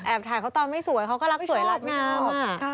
ถ่ายเขาตอนไม่สวยเขาก็รักสวยรักงาม